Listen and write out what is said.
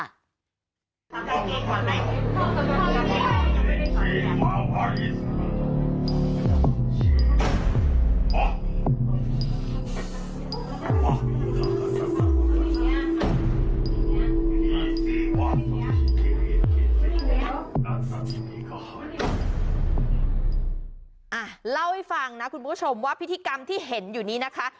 เล่าให้ฟังนะคุณผู้ชมว่าพิธีกรรมที่เห็นอยู่นี้นะคะ